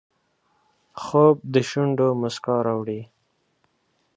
خوب د شونډو مسکا راوړي